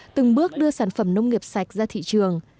từng bước đưa sản phẩm nông nghiệp sạch ra thị trường